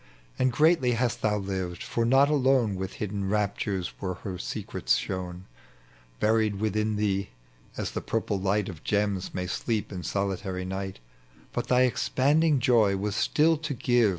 Anii greatly hast thou lived, for not alone With hidden raptures woi e her secrets shown, Buried within thee, as the purple light Of gems may sleep in solitaiy night ; But thy expanding joy was still to give.